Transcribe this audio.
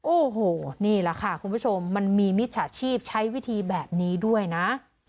โอ้โหนี่แหละค่ะคุณผู้ชมมันมีมิจฉาชีพใช้วิธีแบบนี้ด้วยนะ